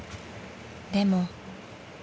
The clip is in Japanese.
［でも］